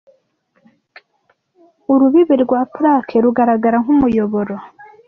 Urubibi rwa plaque rugaragara nkumuyoboro